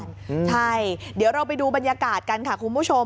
ใช่เดี๋ยวเราไปดูบรรยากาศกันค่ะคุณผู้ชม